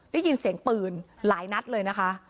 ได้ยินเสียงปืนหลายนัดเลยนะคะ